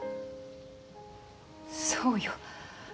そうよ。